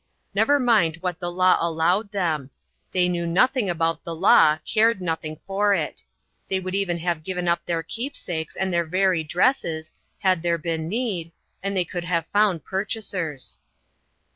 Never mind what the law allowed them. They knew nothing about the law. cared nothing for it ; they would even have given up their keepsakes and their very dresses, had there been need, and they could have found purchasers.